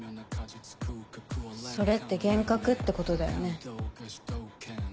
それって幻覚ってことだよね？